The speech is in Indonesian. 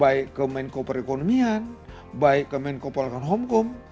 baik itu ke menko maritim menko perekonomian menko polakan homkom